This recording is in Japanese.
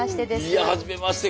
いやはじめまして。